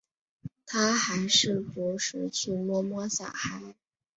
他还是不时去摸摸小孩